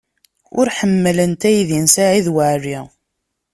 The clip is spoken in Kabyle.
Ur ḥemmlent aydi n Saɛid Waɛli.